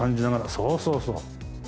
そうそうそう。